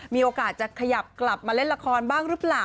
มีโอกาสจะขยับกลับมาเล่นละครบ้างหรือเปล่า